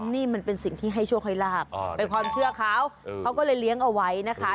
นี่มันเป็นสิ่งที่ให้โชคให้ลาบเป็นความเชื่อเขาเขาก็เลยเลี้ยงเอาไว้นะคะ